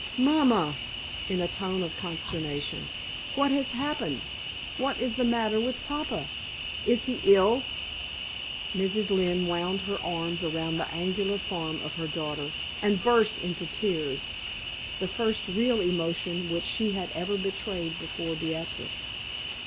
"Mamma" in a tone of consternation "what has happened? What is the matter with papa? Is he ill?" Mrs. Lynne wound her arms around the angular form of her daughter, and burst into tears the first real emotion which she had ever betrayed before Beatrix.